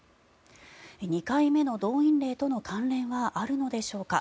２回目の動員令との関連はあるのでしょうか。